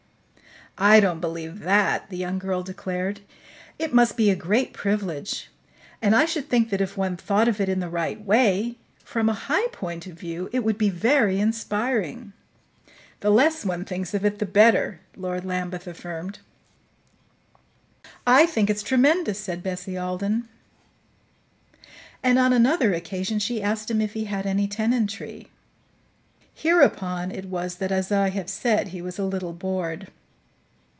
"I don't believe that," the young girl declared. "It must be a great privilege, and I should think that if one thought of it in the right way from a high point of view it would be very inspiring." "The less one thinks of it, the better," Lord Lambeth affirmed. "I think it's tremendous," said Bessie Alden; and on another occasion she asked him if he had any tenantry. Hereupon it was that, as I have said, he was a little bored.